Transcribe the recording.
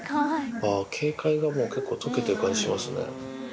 ああ、警戒がもう結構解けてる感じしますね。